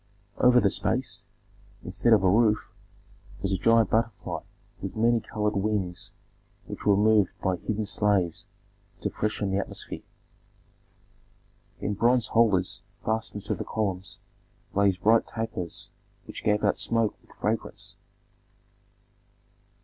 Over the space, instead of a roof, was a giant butterfly with many colored wings which were moved by hidden slaves to freshen the atmosphere. In bronze holders fastened to the columns blazed bright tapers which gave out smoke with fragrance.